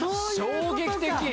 衝撃的！